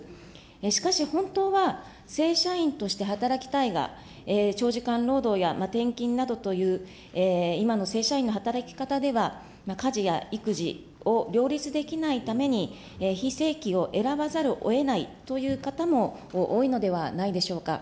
しかし、本当は正社員として働きたいが、長時間労働や転勤などという今の正社員の働き方では、家事や育児を両立できないために、非正規を選ばざるをえないという方も多いのではないでしょうか。